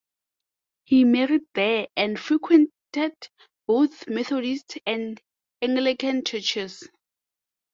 He married there and frequented both Methodist and Anglican churches.